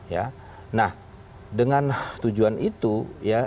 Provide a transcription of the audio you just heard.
ya nah dengan tujuan itu ya